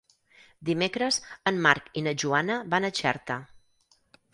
Dimecres en Marc i na Joana van a Xerta.